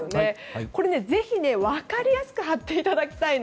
これね、ぜひ分かりやすく貼っていただきたいな。